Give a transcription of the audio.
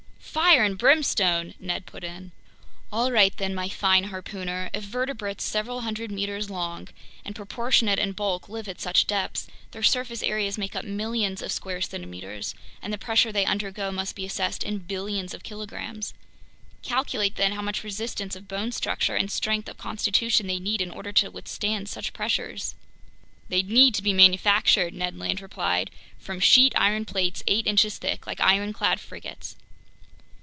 "Fire and brimstone!" Ned put in. "All right then, my fine harpooner, if vertebrates several hundred meters long and proportionate in bulk live at such depths, their surface areas make up millions of square centimeters, and the pressure they undergo must be assessed in billions of kilograms. Calculate, then, how much resistance of bone structure and strength of constitution they'd need in order to withstand such pressures!" "They'd need to be manufactured," Ned Land replied, "from sheet iron plates eight inches thick, like ironclad frigates."